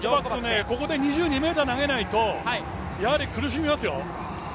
ここで２２ｍ投げないとやはり苦しみますよ。